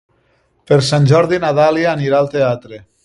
Per Sant Jordi na Dàlia anirà al teatre.